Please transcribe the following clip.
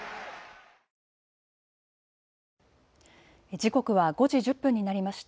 時刻は５時１０分になりました。